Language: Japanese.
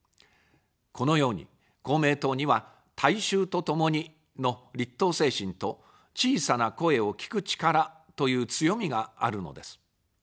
このように、公明党には、大衆とともにの立党精神と小さな声を聴く力という強みがあるのです。